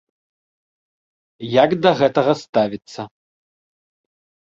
Як да гэтага ставіцца?